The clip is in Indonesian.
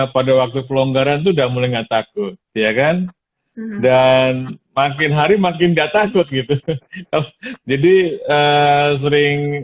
pada waktu pelonggaran itu udah mulai nggak takut ya kan dan makin hari makin nggak takut gitu jadi sering